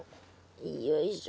よいしょ。